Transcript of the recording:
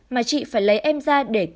mà chị phải lấy em ra để